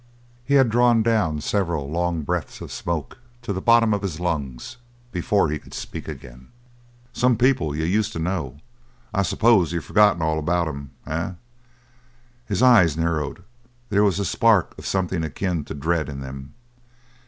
He had drawn down several long breaths of smoke to the bottom of his lungs before he could speak again. "Some people you used to know; I suppose you've forgotten all about 'em, eh?" His eyes narrowed; there was a spark of something akin to dread in them.